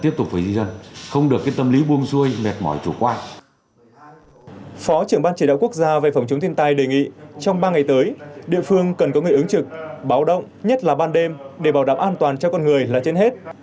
phó trưởng ban chỉ đạo quốc gia về phòng chống thiên tai đề nghị trong ba ngày tới địa phương cần có người ứng trực báo động nhất là ban đêm để bảo đảm an toàn cho con người là trên hết